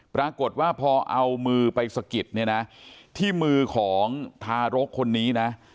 ปรากฏว่าพอเอามือไปสะกิดเนี่ยนะที่มือของทารกคนนี้นะ